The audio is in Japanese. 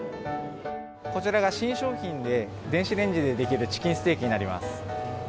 こちらが新商品で、電子レンジでできるチキンステーキになります。